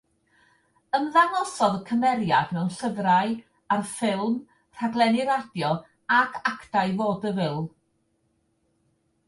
Ymddangosodd y cymeriad mewn llyfrau, ar ffilm, rhaglenni radio ac actau vaudeville.